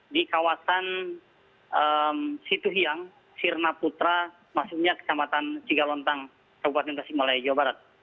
di kawasan situhiang sirna putra maksudnya kecamatan cigalontang kabupaten tasikmalaya jawa barat